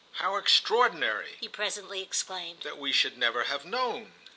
"How extraordinary," he presently exclaimed, "that we should never have known!"